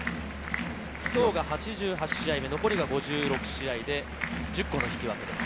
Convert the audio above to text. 今日が８８試合目、残りの５６試合で１０個の引き分けです。